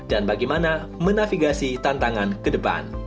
dan bagaimana menafigasi tantangan ke depan